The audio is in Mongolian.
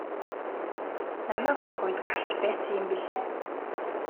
Намайг орох үед гарч байсан юм билээ.